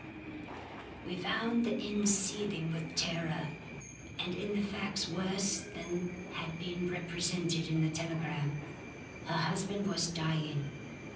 "We found the inn seething with terror and the facts worse than had been represented in the telegram. Her husband was dying.